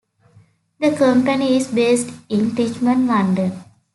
The company is based in Richmond, London.